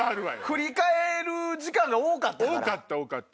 振り返る時間が多かったから。